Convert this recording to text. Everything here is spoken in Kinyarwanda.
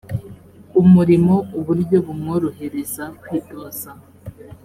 umurimo uburyo bumworohereza kwitoza